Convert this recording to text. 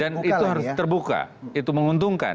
dan itu harus terbuka itu menguntungkan